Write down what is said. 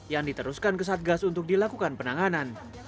yang diteruskan ke satgas untuk dilakukan penanganan